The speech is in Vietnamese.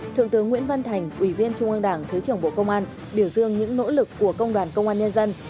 thượng tướng nguyễn văn thành ủy viên trung ương đảng thứ trưởng bộ công an biểu dương những nỗ lực của công đoàn công an nhân dân